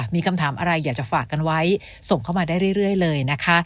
มีคำถามอะไรอยากจะฝากกันไว้ส่งเข้ามาได้เรื่อยเลยนะคะ